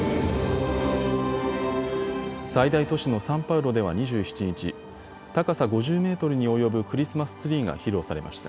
最大都市のサンパウロでは２７日、高さ５０メートルに及ぶクリスマスツリーが披露されました。